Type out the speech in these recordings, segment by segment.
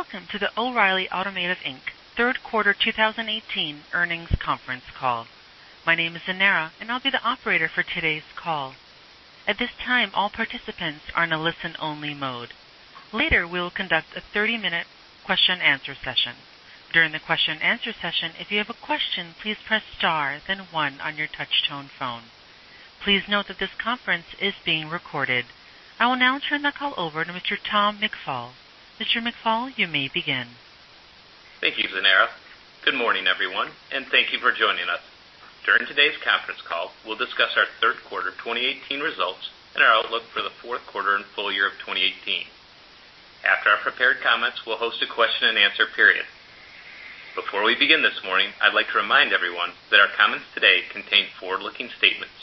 Welcome to the O'Reilly Automotive Inc. third quarter 2018 earnings conference call. My name is Zenera, and I'll be the operator for today's call. At this time, all participants are in a listen-only mode. Later, we will conduct a 30-minute question and answer session. During the question and answer session, if you have a question, please press star then one on your touch tone phone. Please note that this conference is being recorded. I will now turn the call over to Mr. Tom McFall. Mr. McFall, you may begin. Thank you, Zenera. Good morning, everyone, and thank you for joining us. During today's conference call, we'll discuss our third quarter 2018 results and our outlook for the fourth quarter and full year of 2018. After our prepared comments, we'll host a question and answer period. Before we begin this morning, I'd like to remind everyone that our comments today contain forward-looking statements.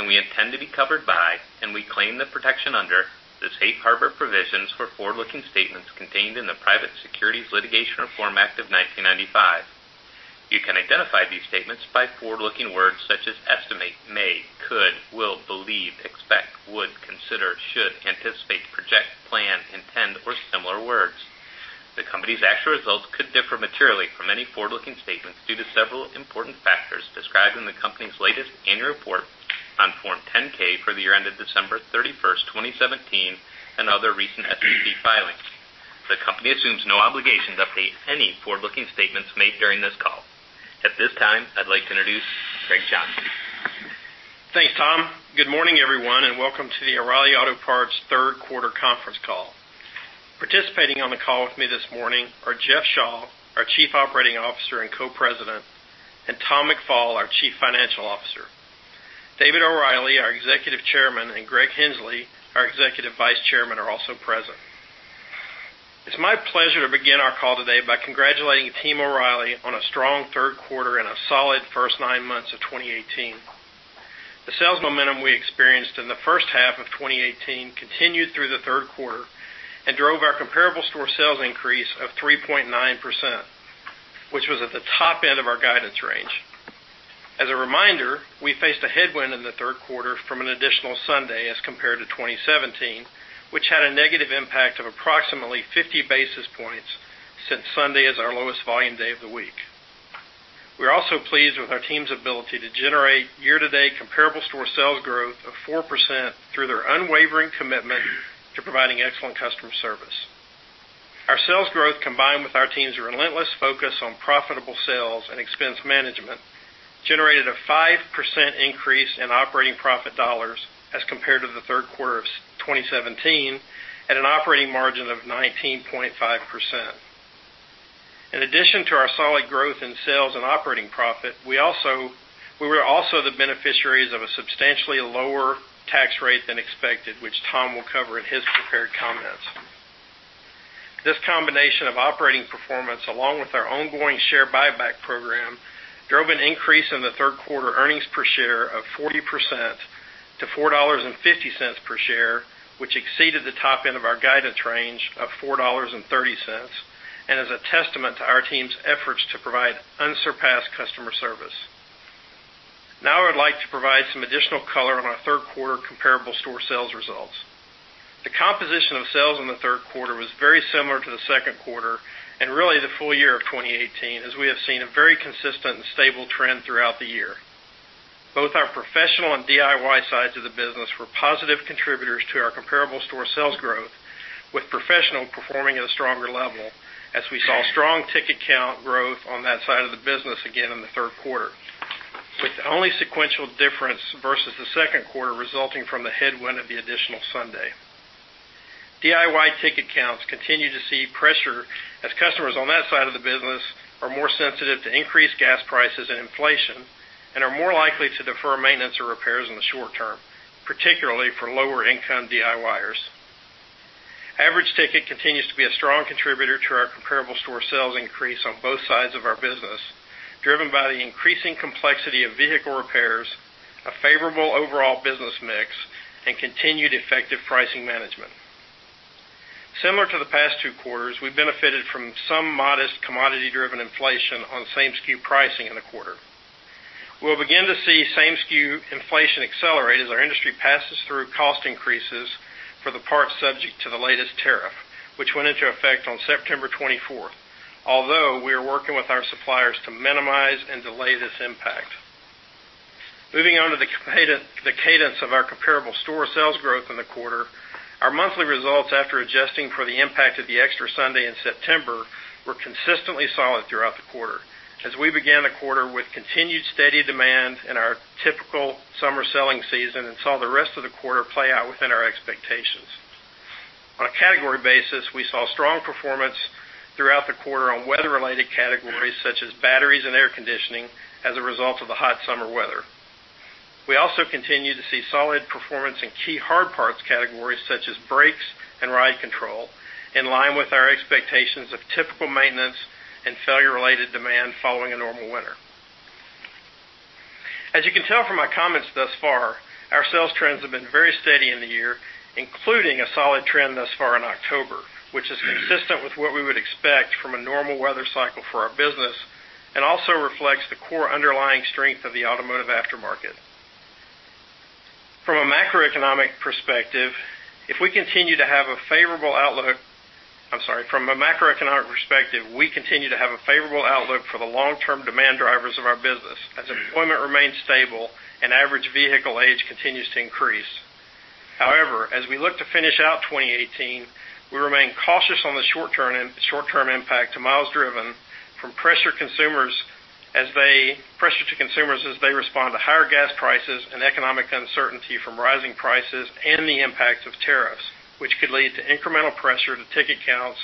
We intend to be covered by, and we claim the protection under, the safe harbor provisions for forward-looking statements contained in the Private Securities Litigation Reform Act of 1995. You can identify these statements by forward-looking words such as estimate, may, could, will, believe, expect, would, consider, should, anticipate, project, plan, intend, or similar words. The company's actual results could differ materially from any forward-looking statements due to several important factors described in the company's latest annual report on Form 10-K for the year ended December 31st, 2017, and other recent SEC filings. The company assumes no obligation to update any forward-looking statements made during this call. At this time, I'd like to introduce Greg Johnson. Thanks, Tom. Good morning, everyone, and welcome to the O'Reilly Auto Parts third quarter conference call. Participating on the call with me this morning are Jeff Shaw, our Chief Operating Officer and Co-President, and Tom McFall, our Chief Financial Officer. David O'Reilly, our Executive Chairman, and Greg Henslee, our Executive Vice Chairman, are also present. It's my pleasure to begin our call today by congratulating Team O'Reilly on a strong third quarter and a solid first nine months of 2018. The sales momentum we experienced in the first half of 2018 continued through the third quarter and drove our comparable store sales increase of 3.9%, which was at the top end of our guidance range. As a reminder, we faced a headwind in the third quarter from an additional Sunday as compared to 2017, which had a negative impact of approximately 50 basis points since Sunday is our lowest volume day of the week. We're also pleased with our team's ability to generate year-to-date comparable store sales growth of 4% through their unwavering commitment to providing excellent customer service. Our sales growth, combined with our team's relentless focus on profitable sales and expense management, generated a 5% increase in operating profit dollars as compared to the third quarter of 2017 at an operating margin of 19.5%. In addition to our solid growth in sales and operating profit, we were also the beneficiaries of a substantially lower tax rate than expected, which Tom will cover in his prepared comments. This combination of operating performance, along with our ongoing share buyback program, drove an increase in the third quarter earnings per share of 40% to $4.50 per share, which exceeded the top end of our guidance range of $4.30 and is a testament to our team's efforts to provide unsurpassed customer service. Now I would like to provide some additional color on our third quarter comparable store sales results. The composition of sales in the third quarter was very similar to the second quarter, and really the full year of 2018, as we have seen a very consistent and stable trend throughout the year. Both our professional and DIY sides of the business were positive contributors to our comparable store sales growth, with professional performing at a stronger level as we saw strong ticket count growth on that side of the business again in the third quarter, with the only sequential difference versus the second quarter resulting from the headwind of the additional Sunday. DIY ticket counts continue to see pressure as customers on that side of the business are more sensitive to increased gas prices and inflation and are more likely to defer maintenance or repairs in the short term, particularly for lower-income DIYers. Average ticket continues to be a strong contributor to our comparable store sales increase on both sides of our business, driven by the increasing complexity of vehicle repairs, a favorable overall business mix, and continued effective pricing management. Similar to the past two quarters, we benefited from some modest commodity-driven inflation on same-SKU pricing in the quarter. We'll begin to see same-SKU inflation accelerate as our industry passes through cost increases for the parts subject to the latest tariff, which went into effect on September 24th, although we are working with our suppliers to minimize and delay this impact. Moving on to the cadence of our comparable store sales growth in the quarter, our monthly results after adjusting for the impact of the extra Sunday in September were consistently solid throughout the quarter as we began the quarter with continued steady demand in our typical summer selling season and saw the rest of the quarter play out within our expectations. On a category basis, we saw strong performance throughout the quarter on weather-related categories such as batteries and air conditioning as a result of the hot summer weather. We also continue to see solid performance in key hard parts categories such as brakes and ride control, in line with our expectations of typical maintenance and failure-related demand following a normal winter. As you can tell from my comments thus far, our sales trends have been very steady in the year, including a solid trend thus far in October, which is consistent with what we would expect from a normal weather cycle for our business and also reflects the core underlying strength of the automotive aftermarket. From a macroeconomic perspective, we continue to have a favorable outlook for the long-term demand drivers of our business as employment remains stable and average vehicle age continues to increase. However, as we look to finish out 2018, we remain cautious on the short-term impact to miles driven from pressure to consumers as they respond to higher gas prices and economic uncertainty from rising prices and the impact of tariffs, which could lead to incremental pressure to ticket counts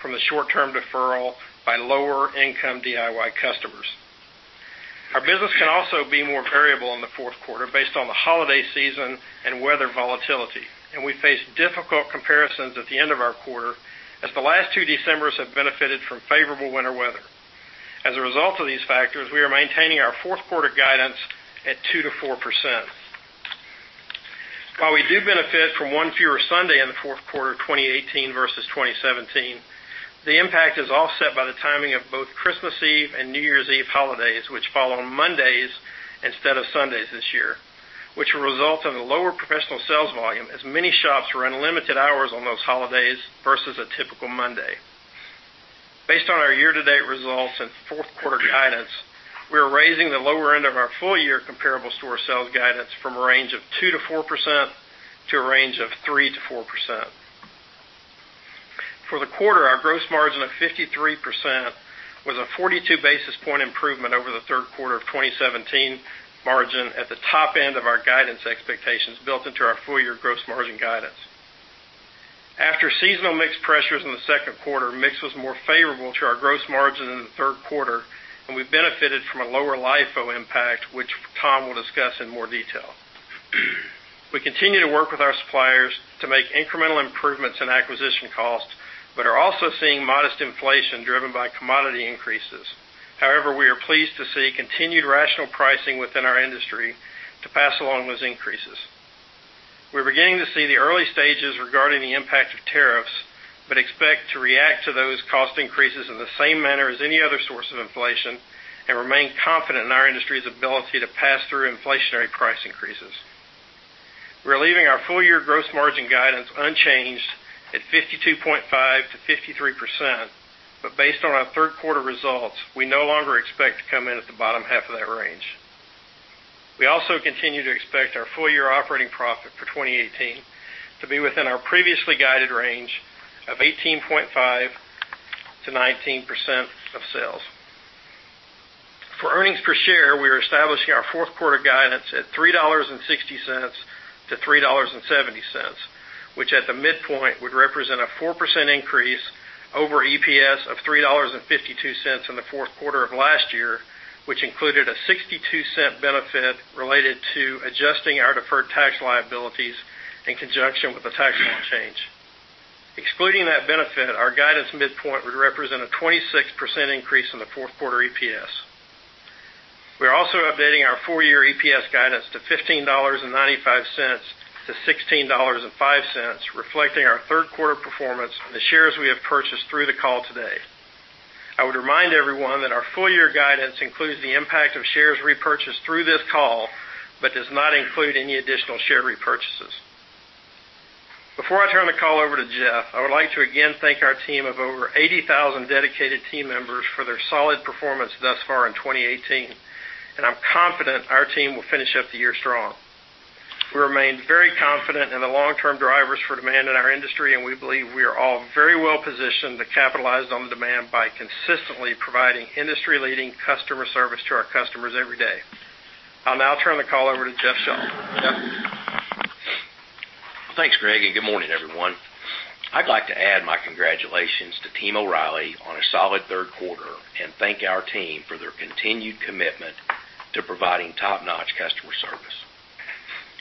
from the short-term deferral by lower-income DIY customers. Our business can also be more variable in the fourth quarter based on the holiday season and weather volatility, and we face difficult comparisons at the end of our quarter as the last two Decembers have benefited from favorable winter weather. As a result of these factors, we are maintaining our fourth quarter guidance at 2%-4%. While we do benefit from one fewer Sunday in the fourth quarter of 2018 versus 2017, the impact is offset by the timing of both Christmas Eve and New Year's Eve holidays, which fall on Mondays instead of Sundays this year, which will result in a lower professional sales volume as many shops run limited hours on those holidays versus a typical Monday. Based on our year-to-date results and fourth-quarter guidance, we are raising the lower end of our full-year comparable store sales guidance from a range of 2%-4% to a range of 3%-4%. For the quarter, our gross margin of 53% was a 42-basis point improvement over the third quarter of 2017 margin at the top end of our guidance expectations built into our full-year gross margin guidance. After seasonal mix pressures in the second quarter, mix was more favorable to our gross margin in the third quarter, and we benefited from a lower LIFO impact, which Tom will discuss in more detail. We continue to work with our suppliers to make incremental improvements in acquisition costs but are also seeing modest inflation driven by commodity increases. We are pleased to see continued rational pricing within our industry to pass along those increases. We're beginning to see the early stages regarding the impact of tariffs, but expect to react to those cost increases in the same manner as any other source of inflation and remain confident in our industry's ability to pass through inflationary price increases. We are leaving our full-year gross margin guidance unchanged at 52.5%-53%. Based on our third quarter results, we no longer expect to come in at the bottom half of that range. We also continue to expect our full-year operating profit for 2018 to be within our previously guided range of 18.5%-19% of sales. For earnings per share, we are establishing our fourth quarter guidance at $3.60-$3.70, which at the midpoint would represent a 4% increase over EPS of $3.52 in the fourth quarter of last year, which included a $0.62 benefit related to adjusting our deferred tax liabilities in conjunction with the tax law change. Excluding that benefit, our guidance midpoint would represent a 26% increase in the fourth quarter EPS. We are also updating our full-year EPS guidance to $15.95-$16.05, reflecting our third quarter performance and the shares we have purchased through the call today. I would remind everyone that our full-year guidance includes the impact of shares repurchased through this call but does not include any additional share repurchases. Before I turn the call over to Jeff, I would like to again thank our team of over 80,000 dedicated team members for their solid performance thus far in 2018. I'm confident our team will finish up the year strong. We remain very confident in the long-term drivers for demand in our industry, and we believe we are all very well-positioned to capitalize on the demand by consistently providing industry-leading customer service to our customers every day. I'll now turn the call over to Jeff Shaw. Jeff? Thanks, Greg. Good morning, everyone. I'd like to add my congratulations to Team O’Reilly on a solid third quarter and thank our team for their continued commitment to providing top-notch customer service.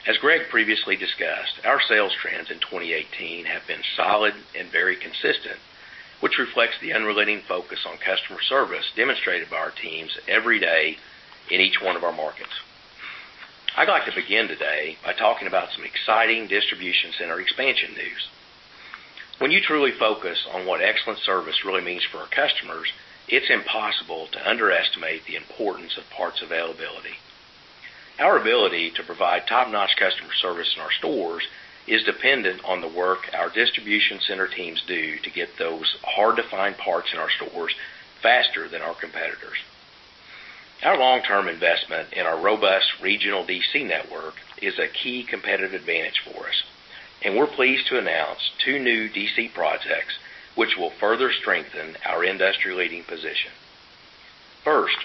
As Greg previously discussed, our sales trends in 2018 have been solid and very consistent, which reflects the unrelenting focus on customer service demonstrated by our teams every day in each one of our markets. I'd like to begin today by talking about some exciting distribution center expansion news. When you truly focus on what excellent service really means for our customers, it's impossible to underestimate the importance of parts availability. Our ability to provide top-notch customer service in our stores is dependent on the work our distribution center teams do to get those hard-to-find parts in our stores faster than our competitors. Our long-term investment in our robust regional DC network is a key competitive advantage for us. We're pleased to announce two new DC projects, which will further strengthen our industry-leading position. First,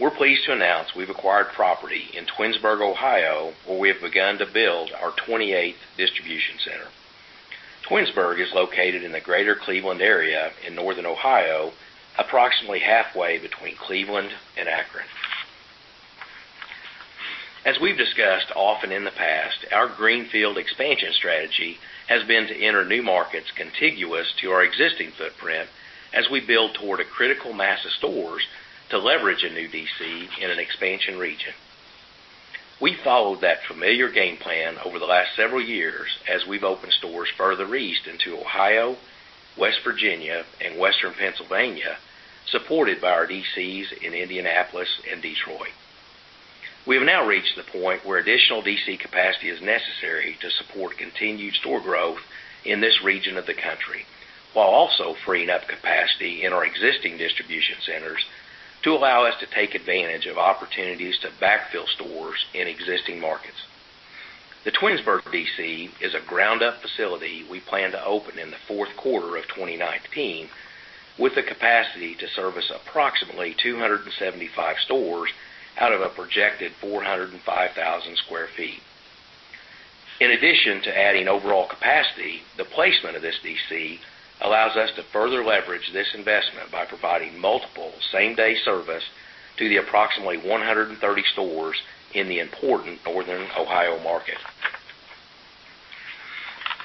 we're pleased to announce we've acquired property in Twinsburg, Ohio, where we have begun to build our 28th distribution center. Twinsburg is located in the greater Cleveland area in northern Ohio, approximately halfway between Cleveland and Akron. As we've discussed often in the past, our greenfield expansion strategy has been to enter new markets contiguous to our existing footprint as we build toward a critical mass of stores to leverage a new DC in an expansion region. We followed that familiar game plan over the last several years. As we've opened stores further east into Ohio, West Virginia, and Western Pennsylvania, supported by our DCs in Indianapolis and Detroit. We have now reached the point where additional DC capacity is necessary to support continued store growth in this region of the country, while also freeing up capacity in our existing distribution centers to allow us to take advantage of opportunities to backfill stores in existing markets. The Twinsburg DC is a ground-up facility we plan to open in the fourth quarter of 2019, with the capacity to service approximately 275 stores out of a projected 405,000 sq ft. In addition to adding overall capacity, the placement of this DC allows us to further leverage this investment by providing multiple same-day service to the approximately 130 stores in the important northern Ohio market.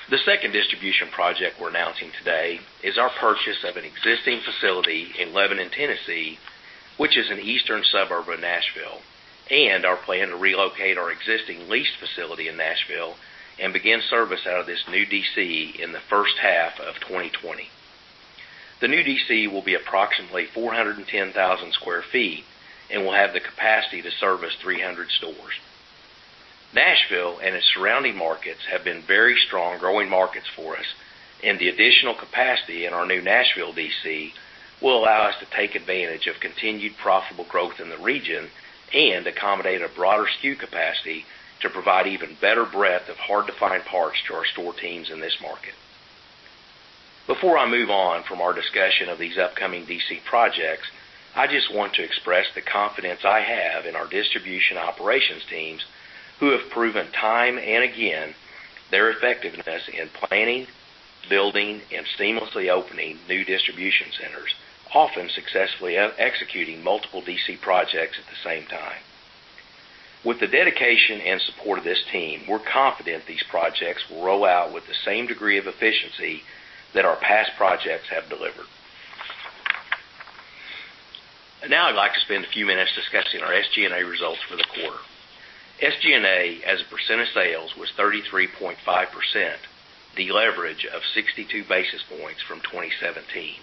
The second distribution project we're announcing today is our purchase of an existing facility in Lebanon, Tennessee, which is an eastern suburb of Nashville, and our plan to relocate our existing leased facility in Nashville and begin service out of this new DC in the first half of 2020. The new DC will be approximately 410,000 sq ft and will have the capacity to service 300 stores. Nashville and its surrounding markets have been very strong growing markets for us, and the additional capacity in our new Nashville DC will allow us to take advantage of continued profitable growth in the region and accommodate a broader SKU capacity to provide even better breadth of hard-to-find parts to our store teams in this market. Before I move on from our discussion of these upcoming DC projects, I just want to express the confidence I have in our distribution operations teams who have proven time and again their effectiveness in planning, building, and seamlessly opening new distribution centers, often successfully executing multiple DC projects at the same time. Now I'd like to spend a few minutes discussing our SG&A results for the quarter. SG&A as a percent of sales was 33.5%, deleverage of 62 basis points from 2017.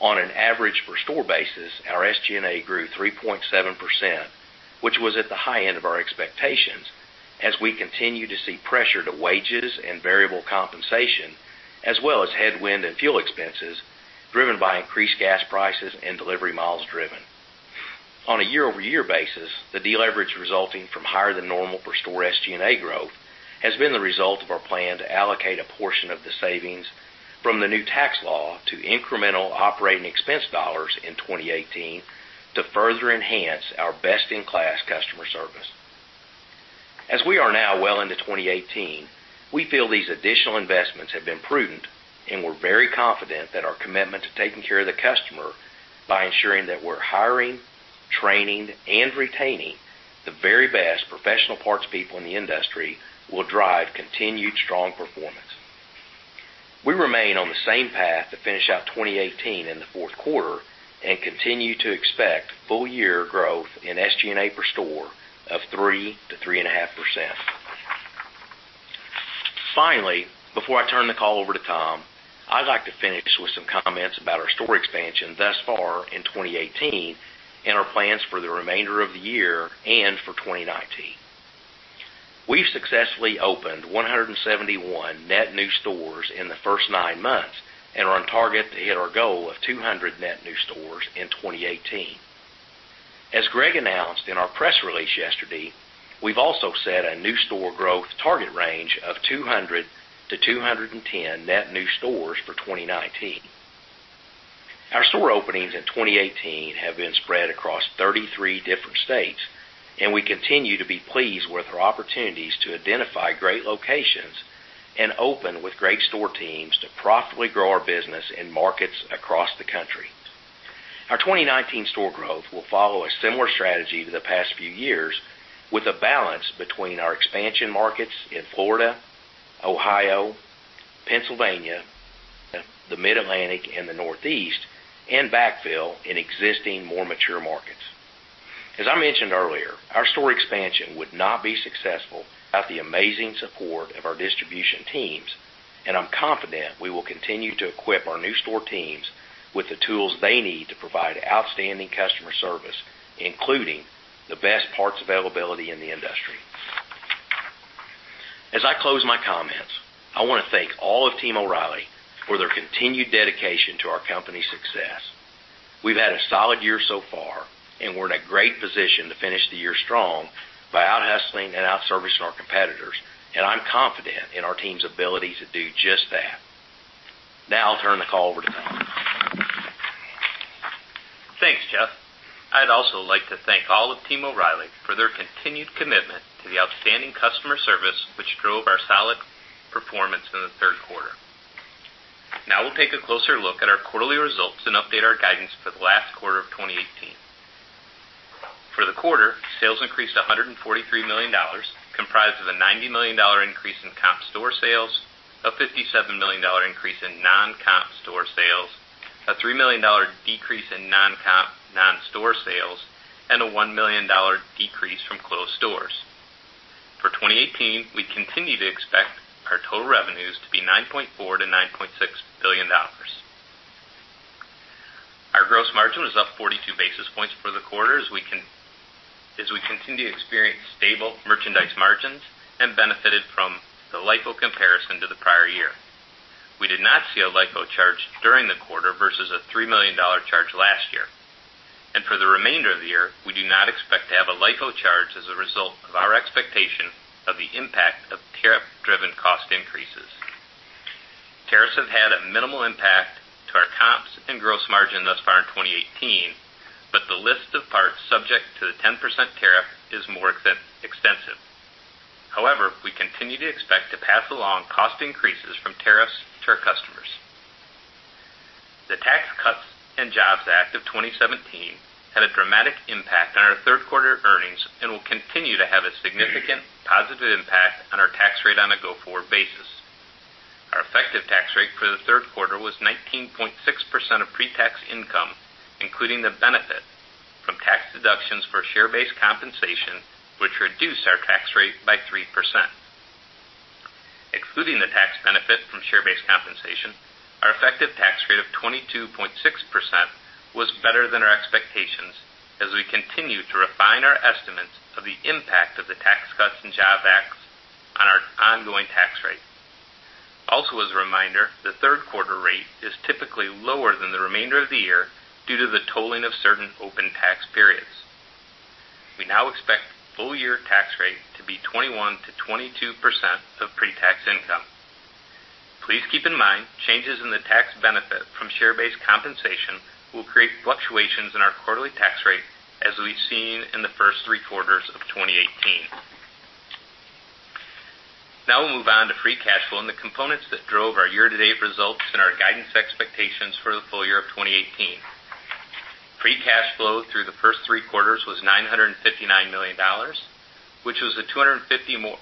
On an average per store basis, our SG&A grew 3.7%, which was at the high end of our expectations as we continue to see pressure to wages and variable compensation, as well as headwind and fuel expenses driven by increased gas prices and delivery miles driven. On a year-over-year basis, the deleverage resulting from higher than normal per store SG&A growth has been the result of our plan to allocate a portion of the savings from the new tax law to incremental operating expense dollars in 2018 to further enhance our best-in-class customer service. As we are now well into 2018, we feel these additional investments have been prudent, and we're very confident that our commitment to taking care of the customer by ensuring that we're hiring, training, and retaining the very best professional parts people in the industry will drive continued strong performance. We remain on the same path to finish out 2018 in the fourth quarter and continue to expect full-year growth in SG&A per store of 3% to 3.5%. Finally, before I turn the call over to Tom, I'd like to finish with some comments about our store expansion thus far in 2018 and our plans for the remainder of the year and for 2019. We've successfully opened 171 net new stores in the first nine months and are on target to hit our goal of 200 net new stores in 2018. As Greg announced in our press release yesterday, we've also set a new store growth target range of 200 to 210 net new stores for 2019. Our store openings in 2018 have been spread across 33 different states. We continue to be pleased with our opportunities to identify great locations and open with great store teams to profitably grow our business in markets across the country. Our 2019 store growth will follow a similar strategy to the past few years with a balance between our expansion markets in Florida, Ohio, Pennsylvania, the Mid-Atlantic and the Northeast, and backfill in existing, more mature markets. As I mentioned earlier, our store expansion would not be successful without the amazing support of our distribution teams. I'm confident we will continue to equip our new store teams with the tools they need to provide outstanding customer service, including the best parts availability in the industry. As I close my comments, I want to thank all of Team O’Reilly for their continued dedication to our company's success. We've had a solid year so far. We're in a great position to finish the year strong by out-hustling and out-servicing our competitors. I'm confident in our team's ability to do just that. I'll turn the call over to Tom. Thanks, Jeff. I'd also like to thank all of Team O’Reilly for their continued commitment to the outstanding customer service which drove our solid performance in the third quarter. We'll take a closer look at our quarterly results and update our guidance for the last quarter of 2018. For the quarter, sales increased $143 million, comprised of a $90 million increase in comp store sales, a $57 million increase in non-comp store sales, a $3 million decrease in non-store sales and a $1 million decrease from closed stores. For 2018, we continue to expect our total revenues to be $9.4 billion-$9.6 billion. Our gross margin was up 42 basis points for the quarter, as we continue to experience stable merchandise margins and benefited from the LIFO comparison to the prior year. We did not see a LIFO charge during the quarter versus a $3 million charge last year. For the remainder of the year, we do not expect to have a LIFO charge as a result of our expectation of the impact of tariff-driven cost increases. Tariffs have had a minimal impact to our comps and gross margin thus far in 2018, but the list of parts subject to the 10% tariff is more extensive. We continue to expect to pass along cost increases from tariffs to our customers. The Tax Cuts and Jobs Act of 2017 had a dramatic impact on our third quarter earnings and will continue to have a significant positive impact on our tax rate on a go-forward basis. Our effective tax rate for the third quarter was 19.6% of pre-tax income, including the benefit from tax deductions for share-based compensation, which reduced our tax rate by 3%. Excluding the tax benefit from share-based compensation, our effective tax rate of 22.6% was better than our expectations as we continue to refine our estimates of the impact of the Tax Cuts and Jobs Act on our ongoing tax rate. As a reminder, the third quarter rate is typically lower than the remainder of the year due to the tolling of certain open tax periods. We now expect full-year tax rate to be 21%-22% of pre-tax income. Please keep in mind, changes in the tax benefit from share-based compensation will create fluctuations in our quarterly tax rate, as we've seen in the first three quarters of 2018. We'll move on to free cash flow and the components that drove our year-to-date results and our guidance expectations for the full year of 2018. Free cash flow through the first three quarters was $959 million, which was a $254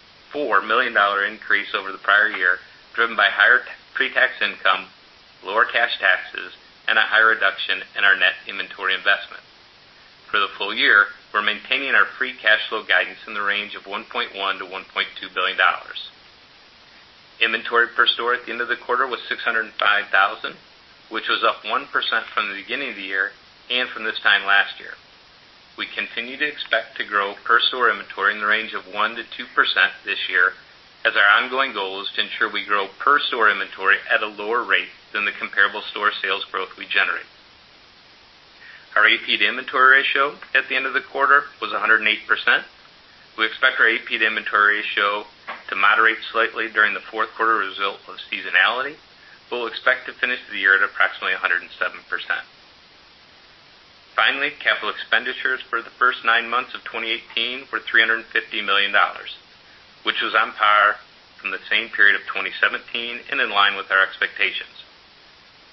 million increase over the prior year, driven by higher pre-tax income, lower cash taxes, and a higher reduction in our net inventory investment. For the full year, we're maintaining our free cash flow guidance in the range of $1.1 billion-$1.2 billion. Inventory per store at the end of the quarter was 605,000, which was up 1% from the beginning of the year and from this time last year. We continue to expect to grow per store inventory in the range of 1%-2% this year, as our ongoing goal is to ensure we grow per store inventory at a lower rate than the comparable store sales growth we generate. Our AP to inventory ratio at the end of the quarter was 108%. We expect our AP to inventory ratio to moderate slightly during the fourth quarter as a result of seasonality. We'll expect to finish the year at approximately 107%. Finally, capital expenditures for the first nine months of 2018 were $350 million, which was on par from the same period of 2017 and in line with our expectations.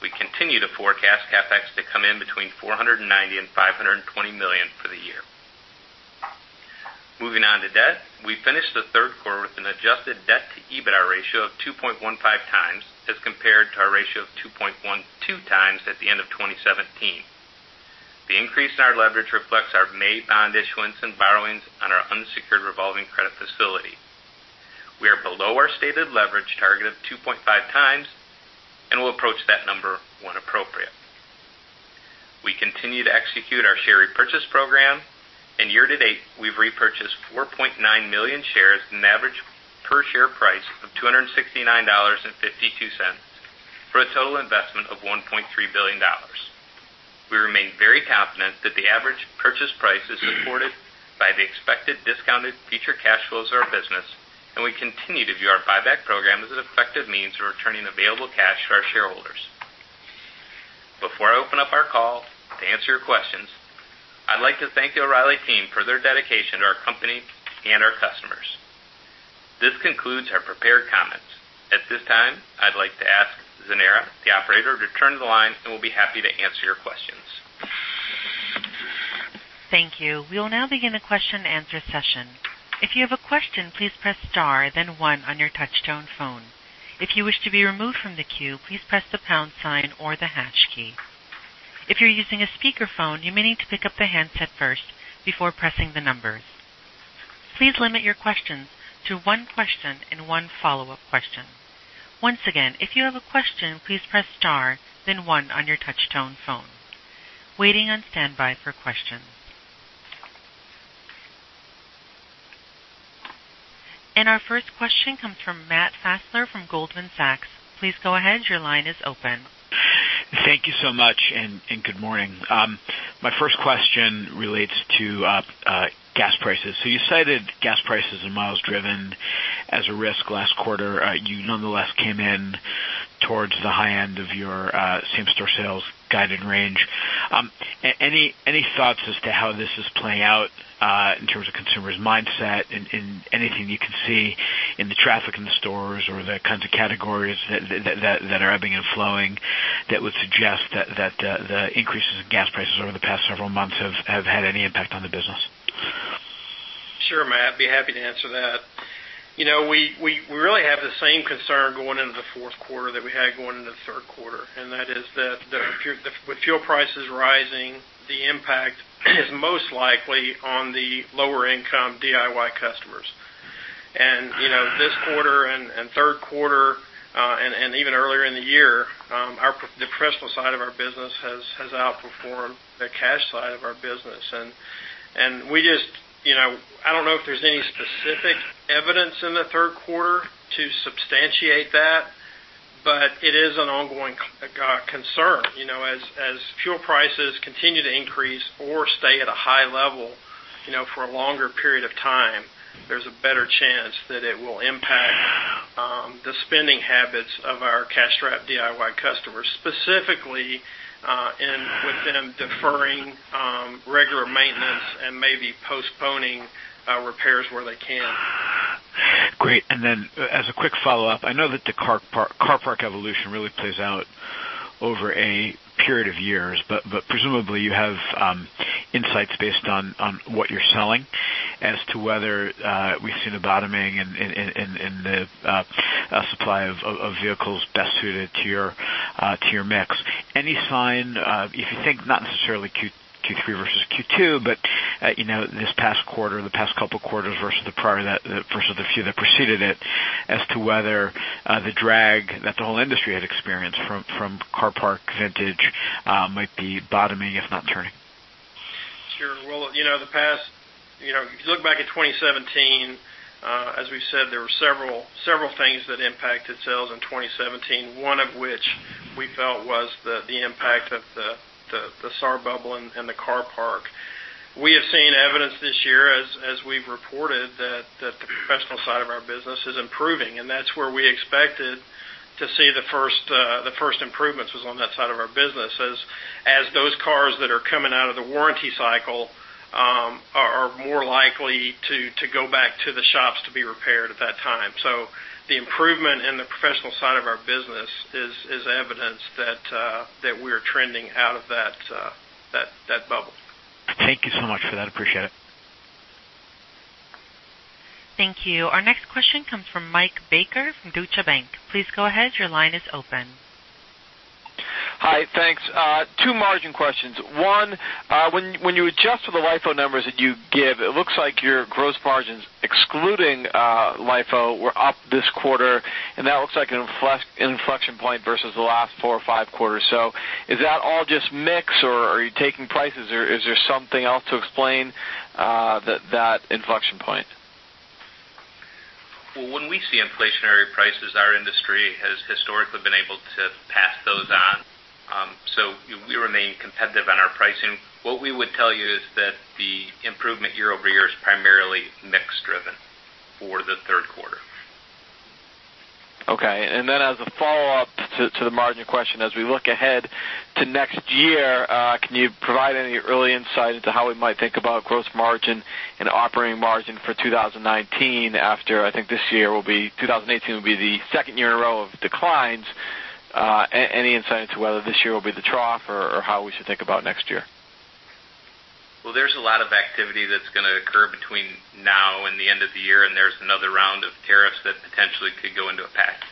We continue to forecast CapEx to come in between $490 million-$520 million for the year. Moving on to debt, we finished the third quarter with an adjusted debt to EBITDA ratio of 2.15 times as compared to our ratio of 2.12 times at the end of 2017. The increase in our leverage reflects our May bond issuance and borrowings on our unsecured revolving credit facility. We are below our stated leverage target of 2.5 times, and we'll approach that number when appropriate. Year to date, we've repurchased 4.9 million shares at an average per share price of $269.52 for a total investment of $1.3 billion. We remain very confident that the average purchase price is supported by the expected discounted future cash flows of our business. We continue to view our buyback program as an effective means of returning available cash to our shareholders. Before I open up our call to answer your questions, I'd like to thank the O'Reilly team for their dedication to our company and our customers. This concludes our prepared comments. At this time, I'd like to ask Zenera, the Operator, to turn to the line and we'll be happy to answer your questions. Thank you. We will now begin a question and answer session. If you have a question, please press star then one on your touchtone phone. If you wish to be removed from the queue, please press the pound sign or the hash key. If you're using a speakerphone, you may need to pick up the handset first before pressing the numbers. Please limit your questions to one question and one follow-up question. Once again, if you have a question, please press star then one on your touchtone phone. Waiting on standby for questions. Our first question comes from Matthew Fassler from Goldman Sachs. Please go ahead, your line is open. Thank you so much. Good morning. My first question relates to gas prices. You cited gas prices and miles driven as a risk last quarter. You nonetheless came in towards the high end of your same-store sales guided range. Any thoughts as to how this is playing out in terms of consumers' mindset and anything you can see in the traffic in the stores or the kinds of categories that are ebbing and flowing that would suggest that the increases in gas prices over the past several months have had any impact on the business? Sure, Matt, be happy to answer that. We really have the same concern going into the fourth quarter that we had going into the third quarter. That is that with fuel prices rising, the impact is most likely on the lower income DIY customers. This quarter and third quarter, and even earlier in the year, the professional side of our business has outperformed the cash side of our business. I don't know if there's any specific evidence in the third quarter to substantiate that, but it is an ongoing concern. As fuel prices continue to increase or stay at a high level for a longer period of time, there's a better chance that it will impact the spending habits of our cash-strapped DIY customers, specifically with them deferring regular maintenance and maybe postponing repairs where they can. Great. As a quick follow-up, I know that the car park evolution really plays out over a period of years, but presumably you have insights based on what you're selling as to whether we see the bottoming in the supply of vehicles best suited to your mix. Any sign, if you think not necessarily Q3 versus Q2, but this past quarter or the past couple of quarters versus the few that preceded it, as to whether the drag that the whole industry had experienced from car park vintage might be bottoming, if not turning? Sure. If you look back at 2017, as we've said, there were several things that impacted sales in 2017, one of which we felt was the impact of the SAR bubble and the car park. We have seen evidence this year as we've reported that the professional side of our business is improving, and that's where we expected to see the first improvements was on that side of our business, as those cars that are coming out of the warranty cycle are more likely to go back to the shops to be repaired at that time. The improvement in the professional side of our business is evidence that we are trending out of that bubble. Thank you so much for that. Appreciate it. Thank you. Our next question comes from Mike Baker from Deutsche Bank. Please go ahead. Your line is open. Hi, thanks. Two margin questions. One, when you adjust for the LIFO numbers that you give, it looks like your gross margins, excluding LIFO, were up this quarter, and that looks like an inflection point versus the last four or five quarters. Is that all just mix, or are you taking prices, or is there something else to explain that inflection point? Well, when we see inflationary prices, our industry has historically been able to pass those on. We remain competitive on our pricing. What we would tell you is that the improvement year-over-year is primarily mix driven for the third quarter. Okay. As a follow-up to the margin question, as we look ahead to next year, can you provide any early insight into how we might think about gross margin and operating margin for 2019 after, I think this year, 2018, will be the second year in a row of declines? Any insight into whether this year will be the trough or how we should think about next year? Well, there's a lot of activity that's going to occur between now and the end of the year, and there's another round of tariffs that potentially could go into effect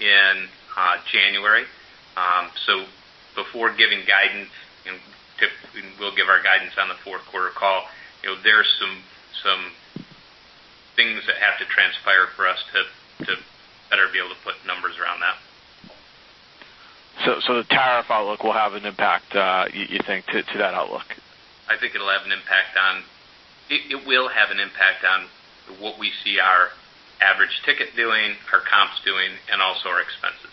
in January. Before giving guidance, and we'll give our guidance on the fourth quarter call, there's some things that have to transpire for us to better be able to put numbers around that. The tariff outlook will have an impact, you think, to that outlook? It will have an impact on what we see our average ticket doing, our comps doing, and also our expenses.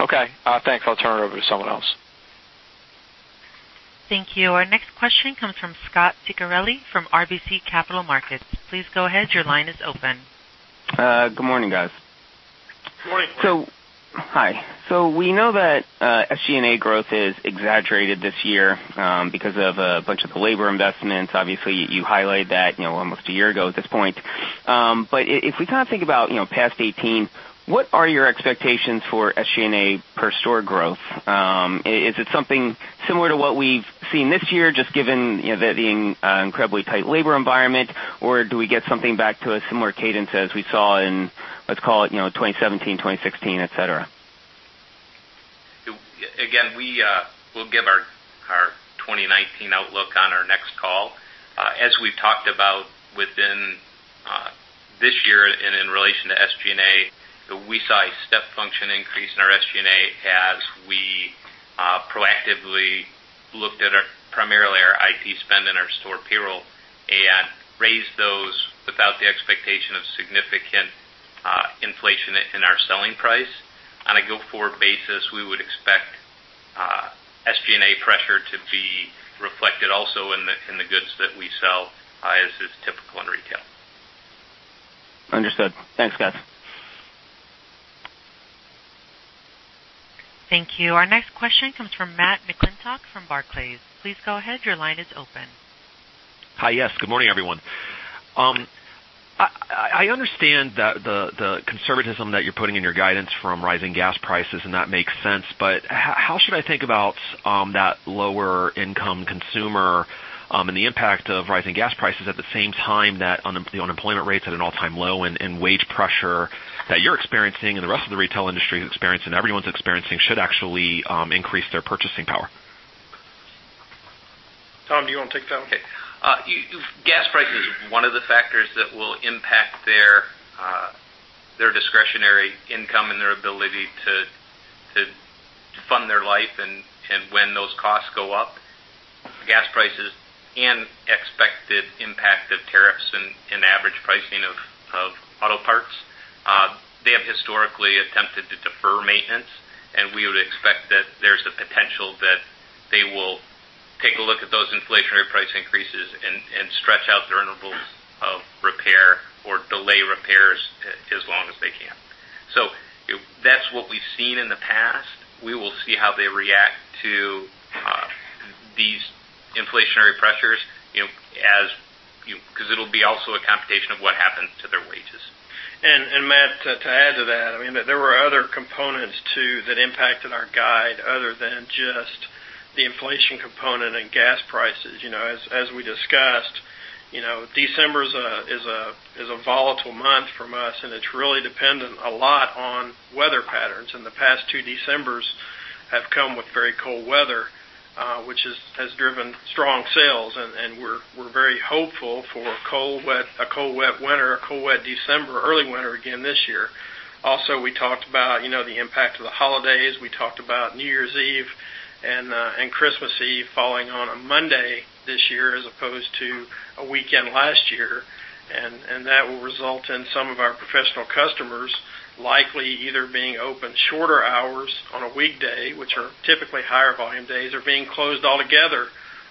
Okay. Thanks. I'll turn it over to someone else. Thank you. Our next question comes from Scot Ciccarelli from RBC Capital Markets. Please go ahead. Your line is open. Good morning, guys. Morning. Hi. We know that SG&A growth is exaggerated this year because of a bunch of the labor investments. Obviously, you highlighted that almost a year ago at this point. If we kind of think about past 2018, what are your expectations for SG&A per store growth? Is it something similar to what we've seen this year, just given that being incredibly tight labor environment, or do we get something back to a similar cadence as we saw in, let's call it, 2017, 2016, et cetera? Again, we'll give our 2019 outlook on our next call. As we've talked about within this year and in relation to SG&A, we saw a step function increase in our SG&A as we proactively looked at primarily our IT spend and our store payroll and raised those without the expectation of significant inflation in our selling price. On a go-forward basis, we would expect SG&A pressure to be reflected also in the goods that we sell as is typical in retail. Understood. Thanks, guys. Thank you. Our next question comes from Matt McClintock from Barclays. Please go ahead. Your line is open. Hi, yes. Good morning, everyone. I understand the conservatism that you're putting in your guidance from rising gas prices, and that makes sense. How should I think about that lower income consumer and the impact of rising gas prices at the same time that the unemployment rate's at an all-time low and wage pressure that you're experiencing and the rest of the retail industry is experiencing, everyone's experiencing, should actually increase their purchasing power? Tom, do you want to take that one? Okay. Gas prices are one of the factors that will impact their discretionary income and their ability to fund their life. When those costs go up, gas prices and expected impact of tariffs in average pricing of auto parts, they have historically attempted to defer maintenance, and we would expect that there's a potential that they will take a look at those inflationary price increases and stretch out their intervals of repair or delay repairs as long as they can. That's what we've seen in the past. We will see how they react to these inflationary pressures because it'll be also a computation of what happened to their wages. Matt, to add to that, there were other components too that impacted our guide other than just the inflation component and gas prices. As we discussed, December is a volatile month for us, and it's really dependent a lot on weather patterns. The past two Decembers have come with very cold weather, which has driven strong sales, and we're very hopeful for a cold, wet winter, a cold, wet December, early winter again this year. Also, we talked about the impact of the holidays. We talked about New Year's Eve and Christmas Eve falling on a Monday this year as opposed to a weekend last year. That will result in some of our professional customers likely either being open shorter hours on a weekday, which are typically higher volume days, or being closed altogether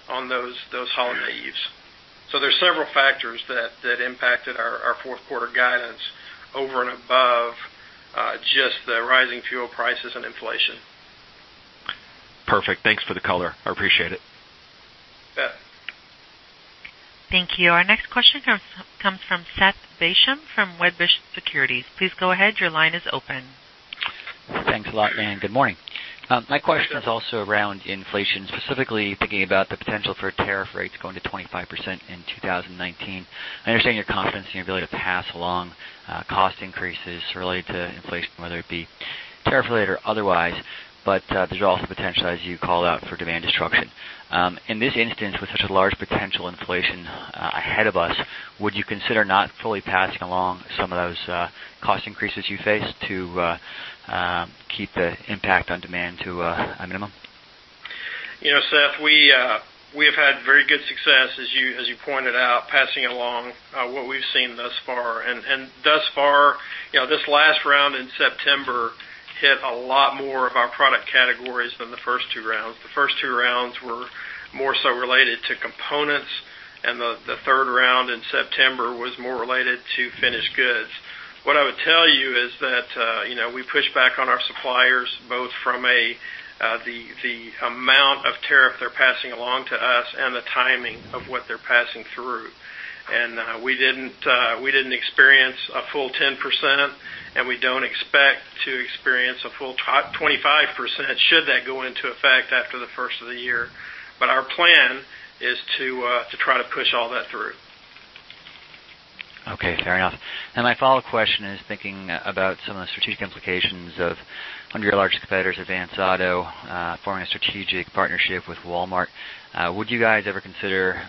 on those holiday Eves. There's several factors that impacted our fourth quarter guidance over and above just the rising fuel prices and inflation. Perfect. Thanks for the color. I appreciate it. Seth. Thank you. Our next question comes from Seth Basham from Wedbush Securities. Please go ahead. Your line is open. Thanks a lot. Good morning. My question is also around inflation, specifically thinking about the potential for tariff rates going to 25% in 2019. I understand your confidence in your ability to pass along cost increases related to inflation, whether it be tariff related or otherwise, there's also potential, as you called out, for demand destruction. In this instance, with such a large potential inflation ahead of us, would you consider not fully passing along some of those cost increases you face to keep the impact on demand to a minimum? Seth, we have had very good success, as you pointed out, passing along what we've seen thus far. Thus far, this last round in September hit a lot more of our product categories than the first two rounds. The first two rounds were more so related to components, the third round in September was more related to finished goods. What I would tell you is that we push back on our suppliers, both from the amount of tariff they're passing along to us and the timing of what they're passing through. We didn't experience a full 10%, and we don't expect to experience a full 25%, should that go into effect after the first of the year. Our plan is to try to push all that through. Okay. Fair enough. My follow-up question is thinking about some of the strategic implications of one of your large competitors, Advance Auto, forming a strategic partnership with Walmart. Would you guys ever consider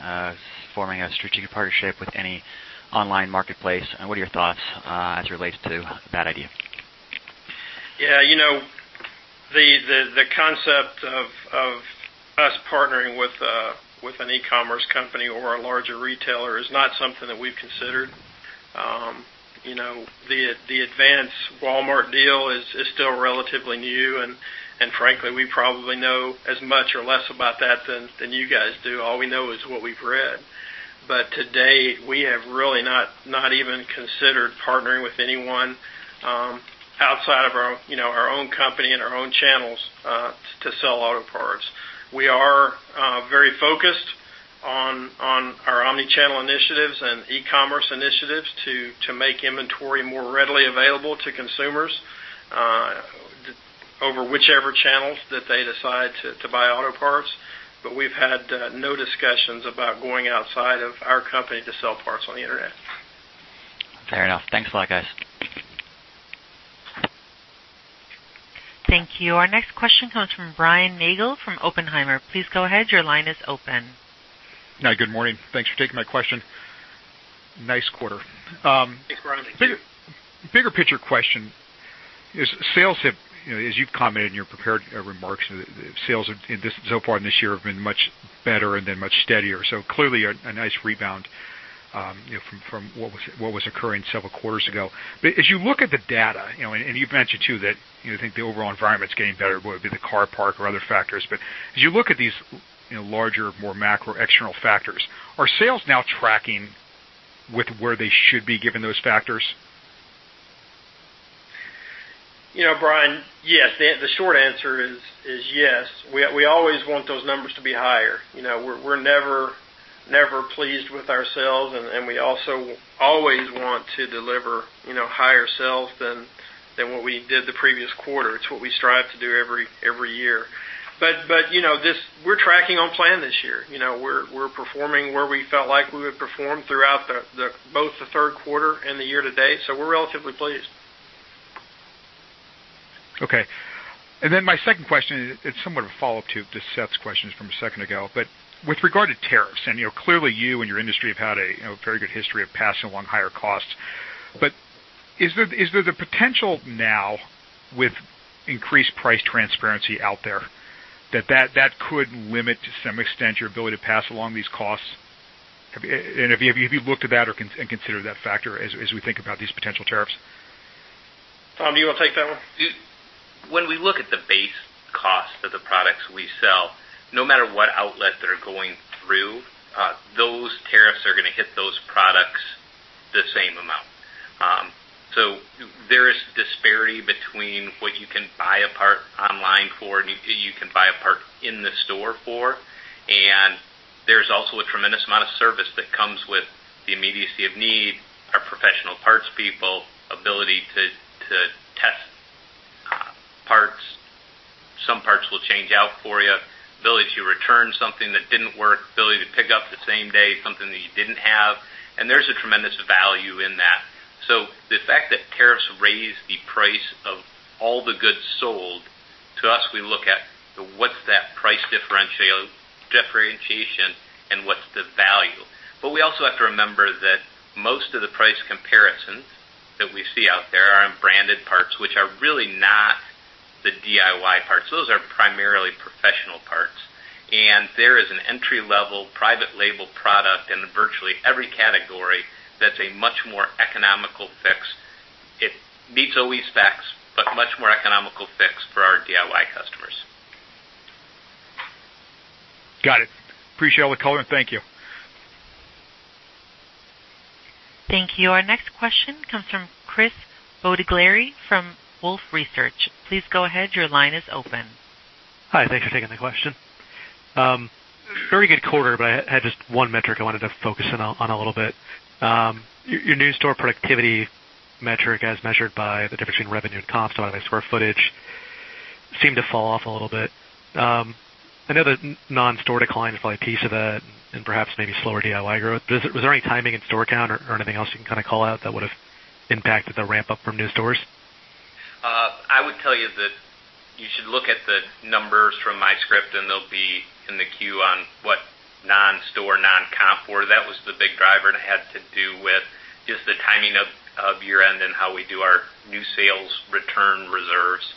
forming a strategic partnership with any online marketplace? What are your thoughts as it relates to that idea? Yeah. The concept of us partnering with an e-commerce company or a larger retailer is not something that we've considered. The Advance Walmart deal is still relatively new. Frankly, we probably know as much or less about that than you guys do. All we know is what we've read. To date, we have really not even considered partnering with anyone outside of our own company and our own channels to sell auto parts. We are very focused on our omni-channel initiatives and e-commerce initiatives to make inventory more readily available to consumers over whichever channels that they decide to buy auto parts. We've had no discussions about going outside of our company to sell parts on the internet. Fair enough. Thanks a lot, guys. Thank you. Our next question comes from Brian Nagel from Oppenheimer. Please go ahead. Your line is open. Good morning. Thanks for taking my question. Nice quarter. Thanks, Brian. Thank you. Bigger picture question is sales have, as you've commented in your prepared remarks, sales so far this year have been much better and been much steadier. Clearly a nice rebound from what was occurring several quarters ago. As you look at the data, you've mentioned too that you think the overall environment is getting better, whether it be the car park or other factors. As you look at these larger, more macro external factors, are sales now tracking with where they should be given those factors? Brian, yes. The short answer is yes. We always want those numbers to be higher. We're never pleased with ourselves, we also always want to deliver higher sales than what we did the previous quarter. It's what we strive to do every year. We're tracking on plan this year. We're performing where we felt like we would perform throughout both the third quarter and the year to date. We're relatively pleased. Okay. My second question, it's somewhat of a follow-up to Seth's questions from a second ago, with regard to tariffs, clearly you and your industry have had a very good history of passing along higher costs. Is there the potential now with increased price transparency out there that could limit to some extent your ability to pass along these costs? Have you looked at that and considered that factor as we think about these potential tariffs? Tom, do you want to take that one? When we look at the base cost of the products we sell, no matter what outlet they're going through, those tariffs are going to hit those products the same amount. There is disparity between what you can buy a part online for and you can buy a part in the store for, and there's also a tremendous amount of service that comes with the immediacy of need, our professional parts people, ability to test parts. Some parts we'll change out for you. Ability to return something that didn't work, ability to pick up the same day something that you didn't have, and there's a tremendous value in that. The fact that tariffs raise the price of all the goods sold, to us, we look at what's that price differentiation and what's the value. We also have to remember that most of the price comparisons that we see out there are in branded parts, which are really not the DIY parts. Those are primarily professional parts, and there is an entry-level private label product in virtually every category that's a much more economical fix. It meets OE specs, but much more economical fix for our DIY customers. Got it. Appreciate all the color. Thank you. Thank you. Our next question comes from Chris O'Dea-Glary from Wolfe Research. Please go ahead. Your line is open. Hi, thanks for taking the question. Very good quarter. I had just one metric I wanted to focus in on a little bit. Your new store productivity metric as measured by the difference between revenue and comp, so obviously square footage, seemed to fall off a little bit. I know the non-store decline is probably a piece of that and perhaps maybe slower DIY growth. Was there any timing in store count or anything else you can call out that would have impacted the ramp-up from new stores? I would tell you that you should look at the numbers from my script and they'll be in the Q on what non-store, non-comp were. That was the big driver and had to do with just the timing of year-end and how we do our new sales return reserves.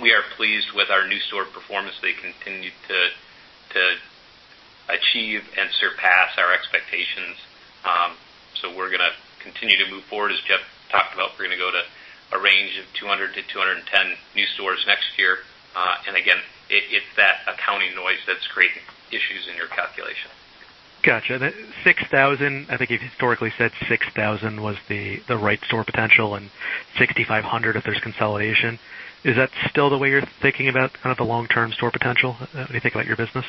We are pleased with our new store performance. They continue to achieve and surpass our expectations. We're going to continue to move forward, as Jeff talked about. We're going to go to a range of 200-210 new stores next year. Again, it's that accounting noise that's creating issues in your calculation. Got you. Then 6,000, I think you've historically said 6,000 was the right store potential and 6,500 if there's consolidation. Is that still the way you're thinking about the long-term store potential when you think about your business?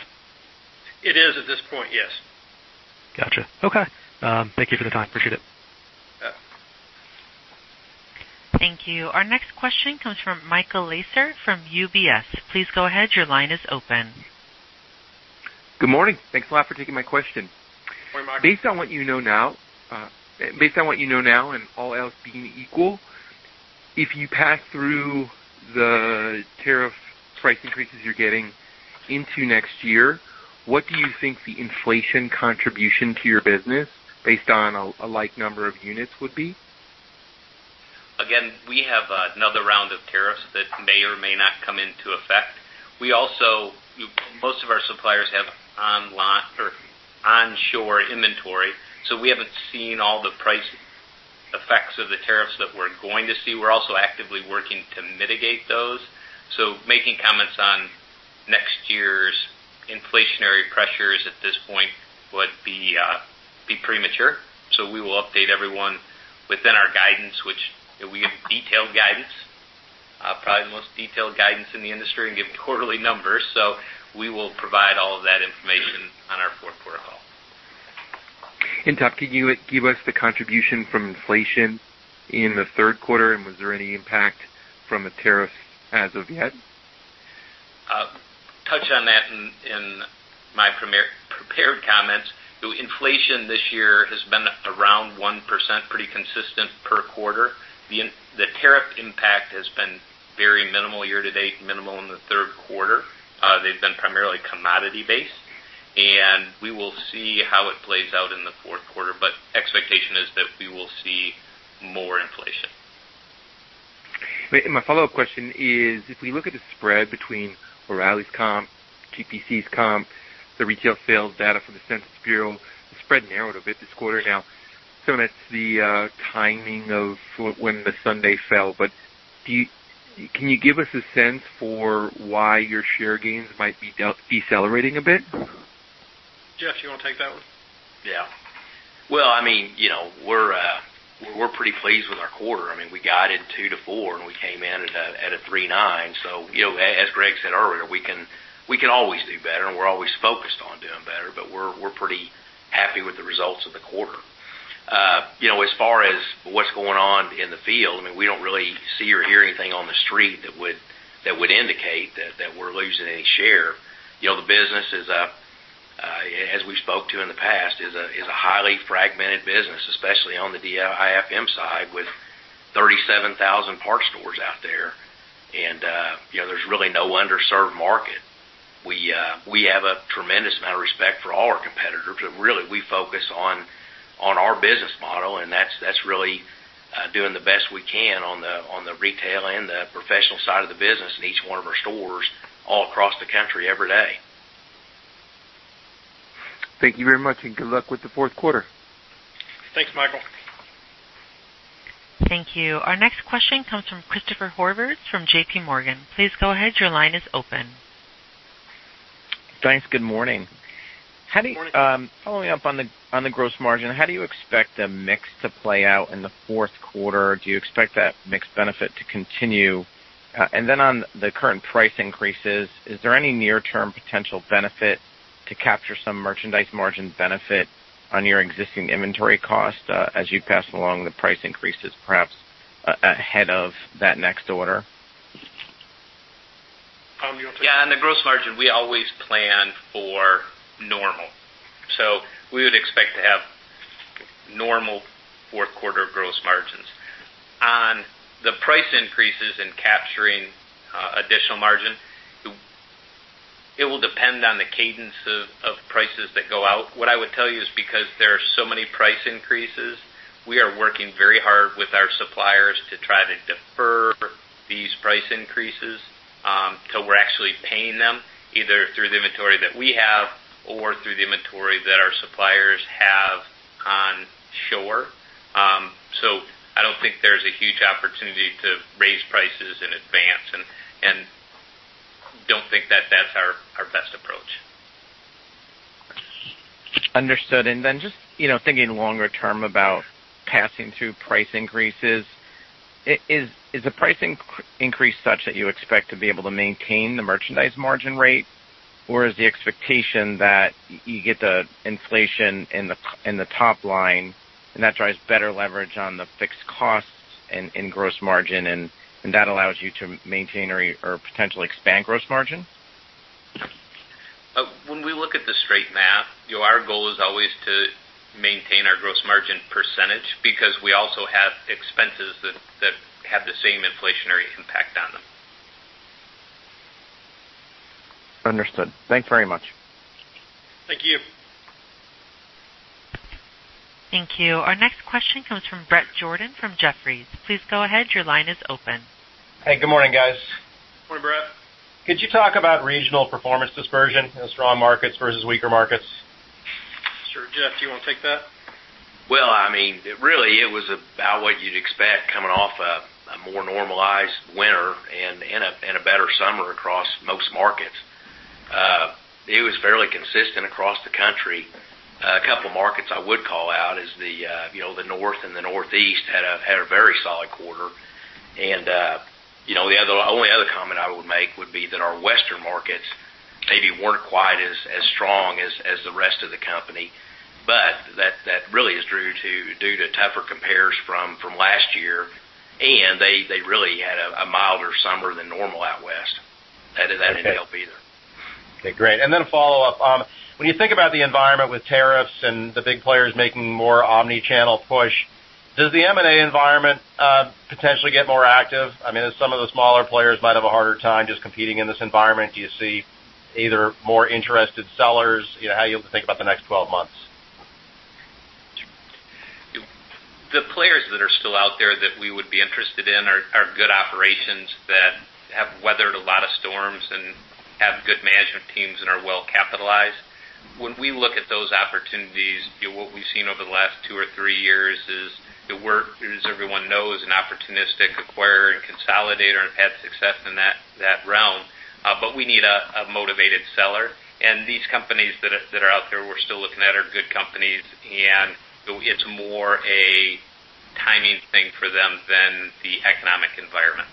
It is at this point, yes. Got you. Okay. Thank you for the time. Appreciate it. Yeah. Thank you. Our next question comes from Michael Lasser from UBS. Please go ahead. Your line is open. Good morning. Thanks a lot for taking my question. Good morning, Michael. Based on what you know now and all else being equal, if you pass through the tariff price increases you're getting into next year, what do you think the inflation contribution to your business based on a like number of units would be? Again, we have another round of tariffs that may or may not come into effect. Most of our suppliers have onshore inventory, we haven't seen all the price effects of the tariffs that we're going to see. We're also actively working to mitigate those. Making comments on next year's inflationary pressures at this point would be premature. We will update everyone within our guidance, which we give detailed guidance, probably the most detailed guidance in the industry and give quarterly numbers. We will provide all of that information on our fourth quarter call. Tom, can you give us the contribution from inflation in the third quarter and was there any impact from the tariffs as of yet? Touched on that in my prepared comments. Inflation this year has been around 1%, pretty consistent per quarter. The tariff impact has been very minimal year to date, minimal in the third quarter. They've been primarily commodity based. We will see how it plays out in the fourth quarter. Expectation is that we will see more inflation. My follow-up question is, if we look at the spread between O'Reilly's comp, GPC's comp, the retail sales data from the Census Bureau, the spread narrowed a bit this quarter. Some of it's the timing of when the Sunday fell. Can you give us a sense for why your share gains might be decelerating a bit? Jeff, do you want to take that one? Yeah. Well, we're pretty pleased with our quarter. We guided 2%-4%. We came in at a 3.9%. As Greg said earlier, we can always do better. We're always focused on doing better. We're pretty happy with the results of the quarter. As far as what's going on in the field, we don't really see or hear anything on the street that would indicate that we're losing any share. The business, as we spoke to in the past, is a highly fragmented business, especially on the DIFM side, with 37,000 parts stores out there. There's really no underserved market. We have a tremendous amount of respect for all our competitors, but really, we focus on our business model, and that's really doing the best we can on the retail and the professional side of the business in each one of our stores all across the country every day. Thank you very much, and good luck with the fourth quarter. Thanks, Michael. Thank you. Our next question comes from Christopher Horvers from JPMorgan. Please go ahead. Your line is open. Thanks. Good morning. Good morning. Following up on the gross margin, how do you expect the mix to play out in the fourth quarter? Do you expect that mix benefit to continue? On the current price increases, is there any near-term potential benefit to capture some merchandise margin benefit on your existing inventory cost as you pass along the price increases, perhaps ahead of that next order? Tom, do you want to take that? On the gross margin, we always plan for normal. We would expect to have normal fourth quarter gross margins. On the price increases and capturing additional margin, it will depend on the cadence of prices that go out. What I would tell you is because there are so many price increases, we are working very hard with our suppliers to try to defer these price increases till we're actually paying them, either through the inventory that we have or through the inventory that our suppliers have on shore. I don't think there's a huge opportunity to raise prices in advance, and don't think that that's our best approach. Understood. Just thinking longer term about passing through price increases, is the price increase such that you expect to be able to maintain the merchandise margin rate? Is the expectation that you get the inflation in the top line and that drives better leverage on the fixed costs and gross margin, and that allows you to maintain or potentially expand gross margin? When we look at the straight math, our goal is always to maintain our gross margin percentage because we also have expenses that have the same inflationary impact on them. Understood. Thanks very much. Thank you. Thank you. Our next question comes from Bret Jordan from Jefferies. Please go ahead. Your line is open. Hey, good morning, guys. Morning, Bret. Could you talk about regional performance dispersion in strong markets versus weaker markets? Sure. Jeff, do you want to take that? Well, really, it was about what you'd expect coming off a more normalized winter and a better summer across most markets. It was fairly consistent across the country. A couple markets I would call out is the North and the Northeast had a very solid quarter. The only other comment I would make would be that our Western markets maybe weren't quite as strong as the rest of the company, but that really is due to tougher compares from last year, and they really had a milder summer than normal out West. That didn't help either. Okay, great. Then a follow-up. When you think about the environment with tariffs and the big players making more omni-channel push, does the M&A environment potentially get more active? Some of the smaller players might have a harder time just competing in this environment. Do you see either more interested sellers? How do you think about the next 12 months? The players that are still out there that we would be interested in are good operations that have weathered a lot of storms and have good management teams and are well-capitalized. When we look at those opportunities, what we've seen over the last two or three years is the work, as everyone knows, an opportunistic acquirer and consolidator and have had success in that realm. We need a motivated seller, and these companies that are out there we're still looking at are good companies, and it's more a timing thing for them than the economic environment.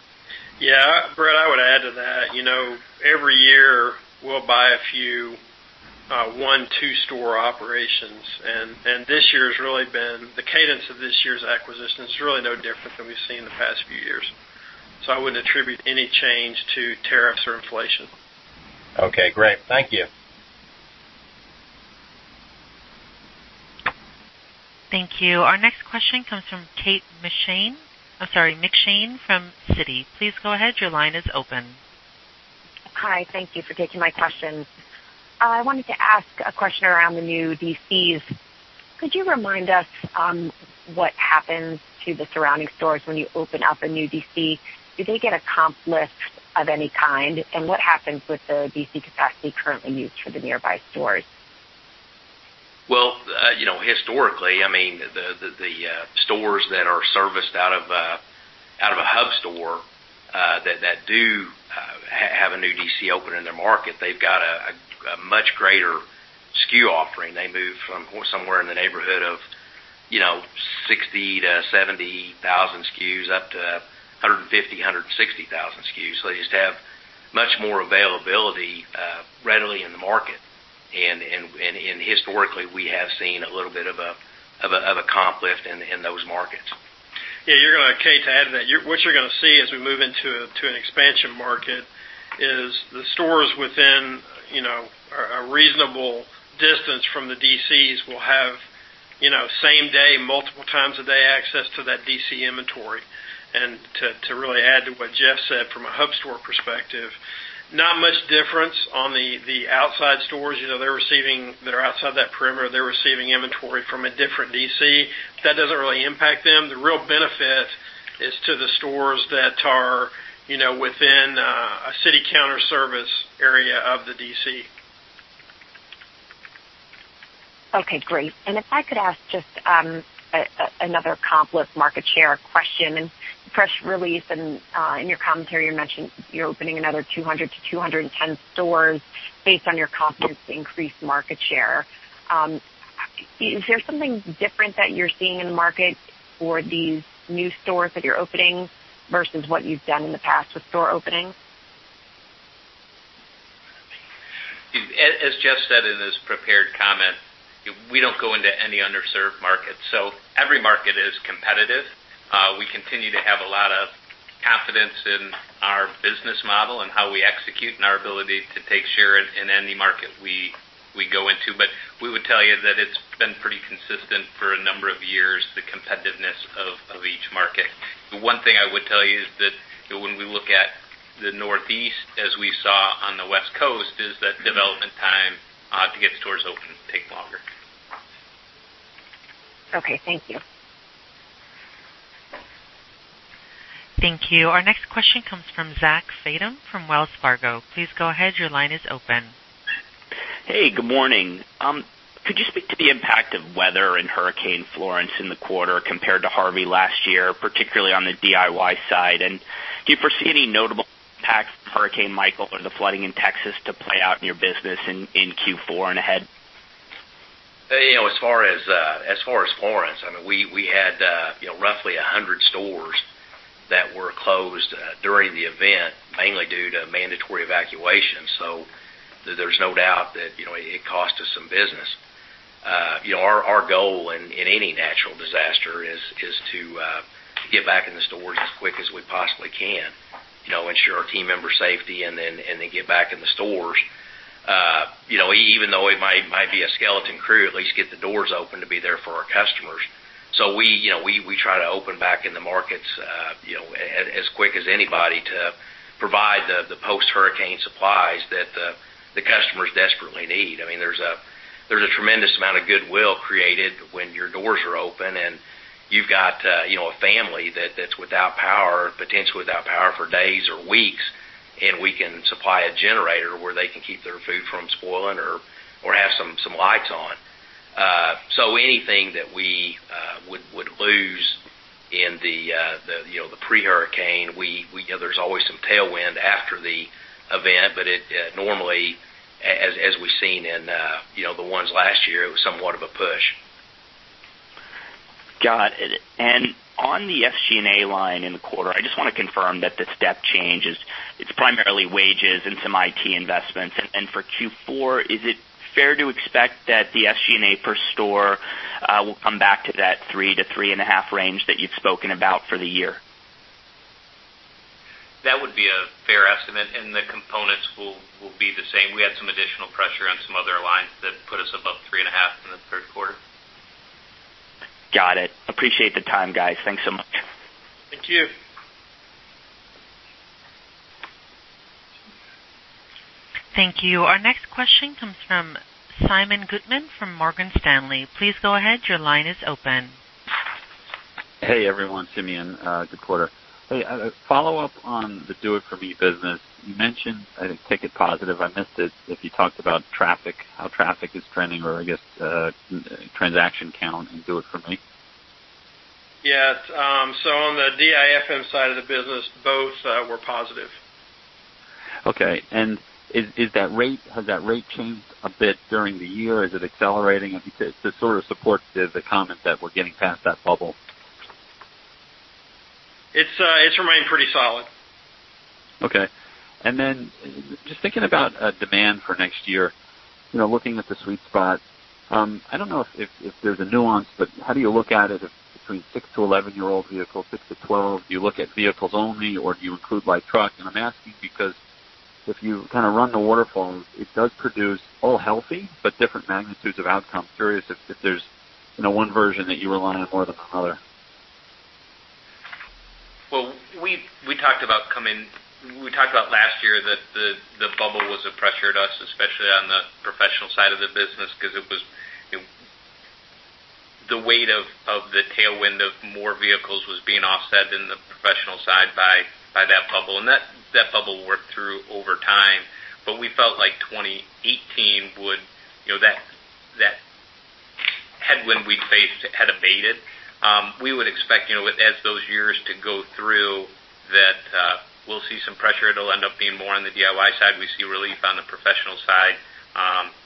Yeah, Bret, I would add to that. Every year, we'll buy a few one, two-store operations, and the cadence of this year's acquisition is really no different than we've seen in the past few years. I wouldn't attribute any change to tariffs or inflation. Okay, great. Thank you. Thank you. Our next question comes from Kate McShane from Citi. Please go ahead. Your line is open. Hi. Thank you for taking my question. I wanted to ask a question around the new DCs. Could you remind us what happens to the surrounding stores when you open up a new DC? Do they get a comp lift of any kind? What happens with the DC capacity currently used for the nearby stores? Well, historically, the stores that are serviced out of a hub store that do have a new DC open in their market, they've got a much greater SKU offering. They move from somewhere in the neighborhood of 60,000 to 70,000 SKUs up to 150,000, 160,000 SKUs. They just have much more availability readily in the market. Historically, we have seen a little bit of a comp lift in those markets. Yeah, Kate, to add to that, what you're going to see as we move into an expansion market is the stores within a reasonable distance from the DCs will have same-day, multiple times a day access to that DC inventory. To really add to what Jeff said from a hub store perspective, not much difference on the outside stores. They're receiving that are outside that perimeter. They're receiving inventory from a different DC. That doesn't really impact them. The real benefit is to the stores that are within a city counter service area of the DC. Okay, great. If I could ask just another complex market share question and press release and in your commentary, you mentioned you're opening another 200 to 210 stores based on your confidence to increase market share. Is there something different that you're seeing in the market for these new stores that you're opening versus what you've done in the past with store openings? As Jeff said in his prepared comment, every market is competitive. We continue to have a lot of confidence in our business model and how we execute and our ability to take share in any market we go into. We would tell you that it's been pretty consistent for a number of years, the competitiveness of each market. The one thing I would tell you is that when we look at the Northeast, as we saw on the West Coast, is that development time to get stores open take longer. Okay, thank you. Thank you. Our next question comes from Zachary Fadem from Wells Fargo. Please go ahead. Your line is open. Hey, good morning. Could you speak to the impact of weather and Hurricane Florence in the quarter compared to Harvey last year, particularly on the DIY side? Do you foresee any notable impact from Hurricane Michael or the flooding in Texas to play out in your business in Q4 and ahead? As far as Florence, we had roughly 100 stores that were closed during the event, mainly due to mandatory evacuation. There's no doubt that it cost us some business. Our goal in any natural disaster is to get back in the stores as quick as we possibly can, ensure our team members' safety and then get back in the stores. Even though it might be a skeleton crew, at least get the doors open to be there for our customers. We try to open back in the markets as quick as anybody to provide the post-hurricane supplies that the customers desperately need. There's a tremendous amount of goodwill created when your doors are open and you've got a family that's without power, potentially without power for days or weeks, and we can supply a generator where they can keep their food from spoiling or have some lights on. Anything that we would lose in the pre-hurricane, there's always some tailwind after the event, but it normally, as we've seen in the ones last year, it was somewhat of a push. Got it. On the SG&A line in the quarter, I just want to confirm that the step change is primarily wages and some IT investments. For Q4, is it fair to expect that the SG&A per store will come back to that three to three and a half range that you've spoken about for the year? That would be a fair estimate, and the components will be the same. We had some additional pressure on some other lines that put us above three and a half in the third quarter. Got it. Appreciate the time, guys. Thanks so much. Thank you. Thank you. Our next question comes from Simeon Gutman from Morgan Stanley. Please go ahead. Your line is open. Hey, everyone. Simeon. Good quarter. Hey, a follow-up on the Do It For Me business. You mentioned a ticket positive. I missed it. If you talked about traffic, how traffic is trending or I guess transaction count in Do It For Me. Yeah. On the DIFM side of the business, both were positive. Okay. Has that rate changed a bit during the year? Is it accelerating? This sort of supports the comment that we're getting past that bubble. It's remained pretty solid. Okay. Just thinking about demand for next year, looking at the sweet spot, I don't know if there's a nuance, but how do you look at it between 6 to 11-year-old vehicle, 6 to 12? Do you look at vehicles only or do you include light truck? I'm asking because if you run the waterfall, it does produce all healthy but different magnitudes of outcome. Curious if there's one version that you rely on more than the other. Well, we talked about last year that the bubble was a pressure to us, especially on the professional side of the business because the weight of the tailwind of more vehicles was being offset in the professional side by that bubble. That bubble worked through over time. We felt like 2018. That headwind we faced had abated. We would expect as those years to go through that we'll see some pressure. It'll end up being more on the DIY side. We see relief on the professional side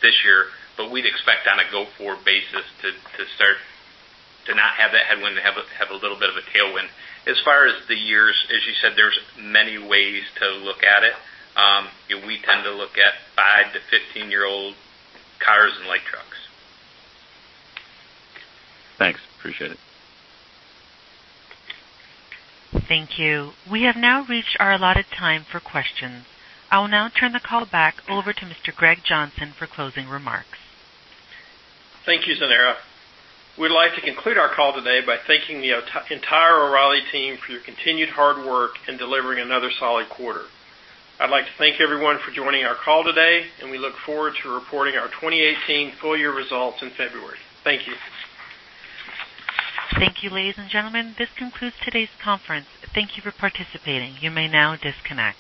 this year. We'd expect on a go-forward basis to start to not have that headwind, to have a little bit of a tailwind. As far as the years, as you said, there's many ways to look at it. We tend to look at five to 15-year-old cars and light trucks. Thanks. Appreciate it. Thank you. We have now reached our allotted time for questions. I will now turn the call back over to Mr. Greg Johnson for closing remarks. Thank you, Zenara. We'd like to conclude our call today by thanking the entire O'Reilly team for your continued hard work in delivering another solid quarter. I'd like to thank everyone for joining our call today. We look forward to reporting our 2018 full year results in February. Thank you. Thank you, ladies and gentlemen. This concludes today's conference. Thank you for participating. You may now disconnect.